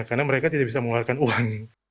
karena mereka tidak bisa mengeluarkan uang